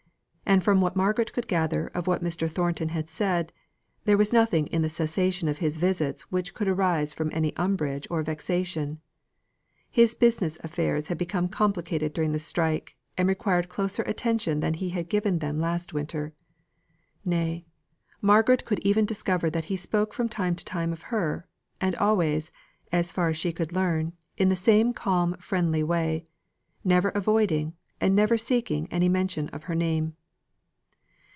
And from what Margaret could gather of what Mr. Thornton had said, there was nothing in the cessation of his visits which could arise from any umbrage or vexation. His business affairs had become complicated during the strike, and required closer attention than he had given to them last winter. Nay, Margaret could even discover that he spoke from time to time of her, and always, as far as she could learn, in the same calm friendly way, never avoiding and never seeking any mention of her name.